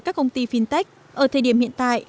các công ty fintech ở thời điểm hiện tại